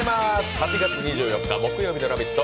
８月２４日木曜日の「ラヴィット！」